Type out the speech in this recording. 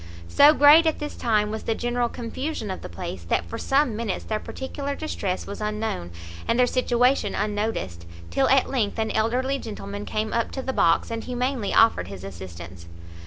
So great at this time was the general confusion of the place, that for some minutes their particular distress was unknown, and their situation unnoticed; till at length an elderly gentleman came up to the box, and humanely offered his assistance.